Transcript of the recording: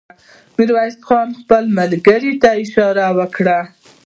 ميرويس خان خپلو ملګرو ته اشاره وکړه.